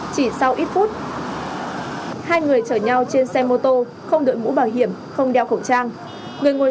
chỉ sau ít phút hai người chở nhau trên xe mô tô không đội mũ bảo hiểm không đeo khẩu trang